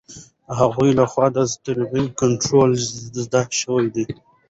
د هغه لخوا د اضطراب کنټرول زده شوی دی.